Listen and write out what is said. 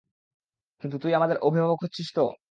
কিন্তু তুই আমাদের অভিবাবক হচ্ছিস তো?